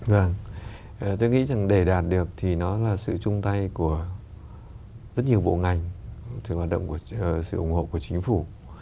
vâng tôi nghĩ rằng để đạt được thì nó là sự chung tay của rất nhiều bộ ngành sự hoạt động của sự ủng hộ của chính phủ